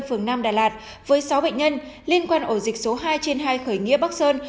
phường nam đà lạt với sáu bệnh nhân liên quan ổ dịch số hai trên hai khởi nghĩa bắc sơn